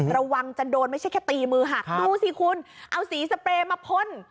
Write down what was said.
ระวังจะโดนไม่ใช่แค่ตีมือหักดูสิคุณเอาสีสเปรย์มาพ่น